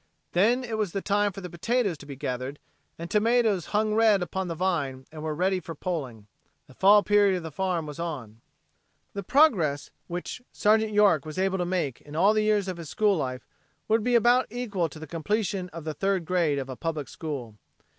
Then it was the time for the potatoes to be gathered, and tomatoes hung red upon the vine and were ready for pulling. The fall period of the farm was on. The progress which Sergeant York was able to make in all the years of his school life would be about equal to the completion of the third grade of a public school.